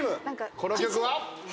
この曲は？